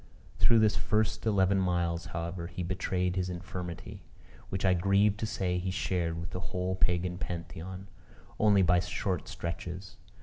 Through this first eleven miles, however, he betrayed his infirmity which I grieve to say he shared with the whole Pagan Pantheon only by short stretches.